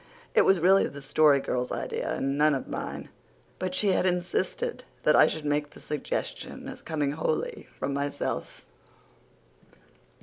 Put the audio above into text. It was really the Story Girl's idea and none of mine. But she had insisted that I should make the suggestion as coming wholly from myself.